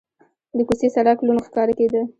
د کوڅې سړک لوند ښکاره کېده.